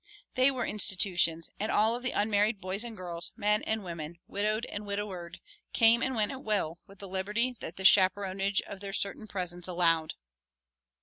They were institutions and all of the unmarried boys and girls, men and women, widowed and widowered, came and went at will, with the liberty that the chaperonage of their certain presence allowed.